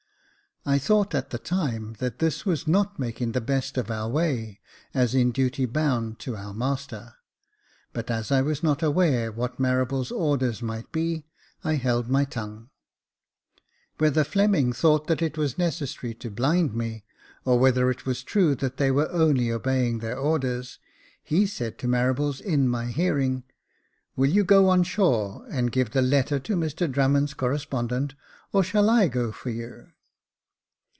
I thought, at the time, that this was not making the best of our way, as in duty bound to our master ; but as I was not aware what Marables' orders might be, I held my tongue. Whether Fleming thought that it was necessary to blind me, or whether it was true that they were only obeying their orders, he said to Marables in my hearing, " Will you go ^6 Jacob Faithful on shore and give the letters to Mr Drummond's corre spondent, or shall I go for you